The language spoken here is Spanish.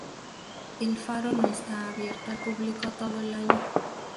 El faro no está abierto al público todo el año.